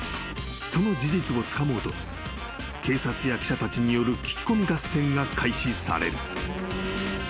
［その事実をつかもうと警察や記者たちによる聞き込み合戦が開始される］